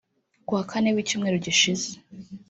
Kuwa Kane w’icyumweru gishize